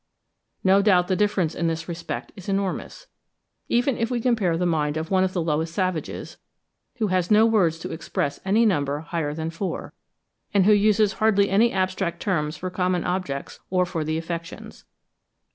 No doubt the difference in this respect is enormous, even if we compare the mind of one of the lowest savages, who has no words to express any number higher than four, and who uses hardly any abstract terms for common objects or for the affections (1.